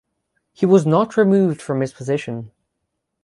He was not removed from his position.